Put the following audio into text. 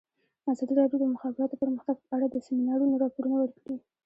ازادي راډیو د د مخابراتو پرمختګ په اړه د سیمینارونو راپورونه ورکړي.